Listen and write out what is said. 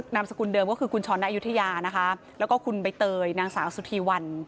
นามสกุลเดิมก็คือคุณช้อนอายุทยานะคะแล้วก็คุณใบเตยนางสาวสุธีวัน